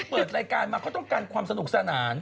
เปิดรายการมาเขาต้องการความสนุกสนาน